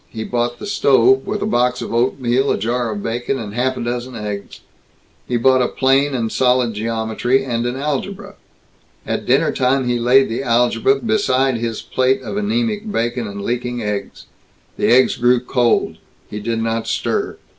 He bought the stove, with a box of oatmeal, a jar of bacon, and half a dozen eggs. He bought a plane and solid geometry, and an algebra. At dinner time he laid the algebra beside his plate of anemic bacon and leaking eggs. The eggs grew cold. He did not stir.